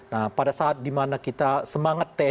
nah pada saat dimana kita semangat